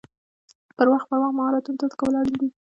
وخت پر وخت مهارتونه تازه کول اړین دي.